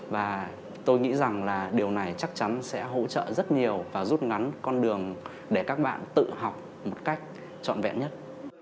và tôi nghĩ rằng là điều này chắc chắn sẽ hỗ trợ rất nhiều và rút ngắn con đường để các bạn tự học một cách trọn vẹn nhất